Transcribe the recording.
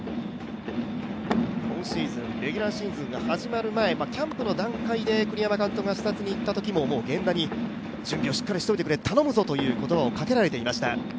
今シーズン、レギュラーシーズンが始まる前、キャンプの段階で栗山監督が視察に行ったときにももう源田に準備をしっかりしておいてくれ、頼むぞという言葉をかけられていました。